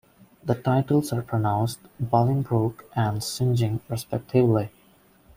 The titles are pronounced "bullingbrooke" and "sinj'n" respectively.